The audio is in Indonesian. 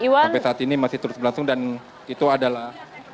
sampai saat ini masih terus berlangsung dan itu adalah